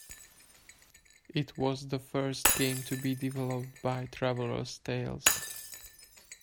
It was the first game to be developed by Traveller's Tales.